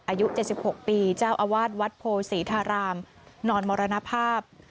อายุ๗๖ปีเจ้าอาวาสวัดโพศรีธารามนอนมรณภาพ